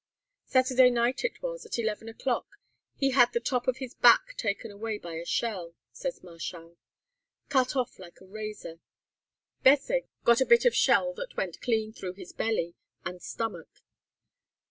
"Saturday night it was, at eleven o'clock. He had the top of his back taken away by a shell," says Marchal, "cut off like a razor. Besse got a bit of shell that went clean through his belly and stomach.